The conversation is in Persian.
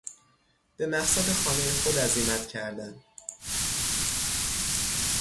به مقصد خانهی خود عزیمت کردن